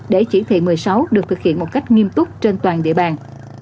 để chỉ thị một mươi sáu được thực hiện một cách nghiêm túc trên toàn địa bàn